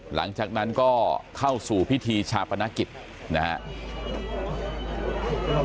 หลังจากนั้นก็เข้าสู่พิธีชาปนกิจนะครับ